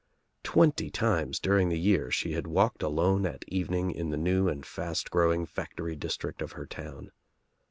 Twenty times during the year she had walked alone at evening in the new and fast growing factory district of her town.